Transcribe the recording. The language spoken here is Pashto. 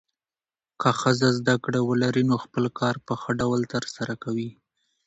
که ښځه زده کړه ولري، نو خپل کار په ښه ډول ترسره کوي.